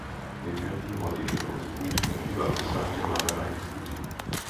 Wir könnten heute genauso gut über abstrakte Malerei diskutieren.